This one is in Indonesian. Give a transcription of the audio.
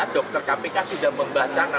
dokter kpk sudah membaca